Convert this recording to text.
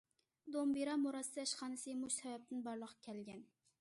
« دومبىرا مۇرەسسە ئىشخانىسى» مۇشۇ سەۋەبتىن بارلىققا كەلگەن.